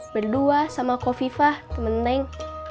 berdua sama kofifah temeneng